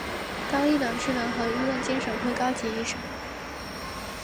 高立仁是仁和医院精神科高级医生。